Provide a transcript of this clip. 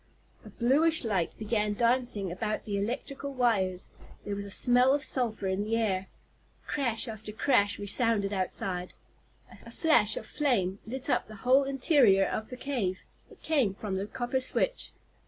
A bluish light began dancing about the electrical wires. There was a smell of sulphur in the air. Crash after crash resounded outside. A flash of flame lit up the whole interior of the cave. It came from the copper switch.